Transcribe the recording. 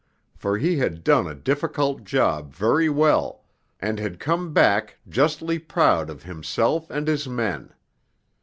For he had done a difficult job very well, and had come back justly proud of himself and his men.